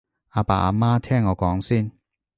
阿爸阿媽聽我講先